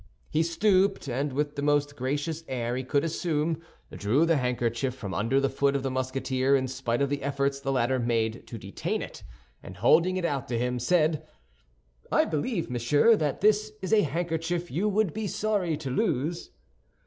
He stooped, and with the most gracious air he could assume, drew the handkerchief from under the foot of the Musketeer in spite of the efforts the latter made to detain it, and holding it out to him, said, "I believe, monsieur, that this is a handkerchief you would be sorry to lose?"